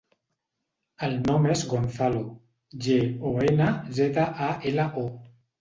El nom és Gonzalo: ge, o, ena, zeta, a, ela, o.